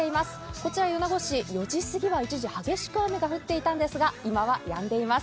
こちら４時過ぎは一時激しく雨が降っていたんですが、今はやんでいます。